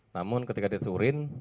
namun ketika diturin